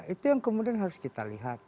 itu yang kemudian harus kita lihat